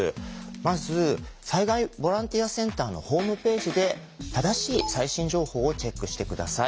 まず災害ボランティアセンターのホームページで正しい最新情報をチェックして下さい。